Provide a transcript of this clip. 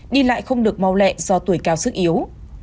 đi lại không được mau lẹ do tuổi cao sức yếu